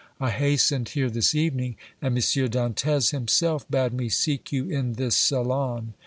I hastened here this evening, and M. Dantès himself bade me seek you in this salon.